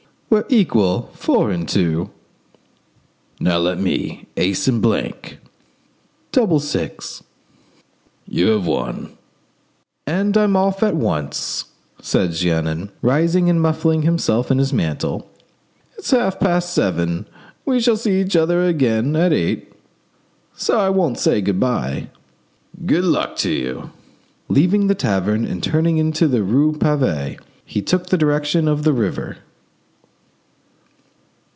"We're equal. Four and two." "Now let me. Ace and blank." "Double six." "You have won." "And I'm off at once," said Jeannin, rising, and muffling himself in his mantle, "It's now half past seven. We shall see each other again at eight, so I won't say good bye." "Good luck to you!" Leaving the tavern and turning into the rue Pavee, he took the direction of the river.